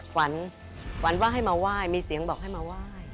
หวันหวันว่าให้มาว่ายมีเสียงบอกให้มาว่าย